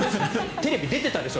テレビ出てたでしょ。